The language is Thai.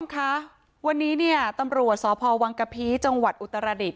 ค่ะวันนี้เนี่ยตำรวจสพวังกะพีจังหวัดอุตรดิษ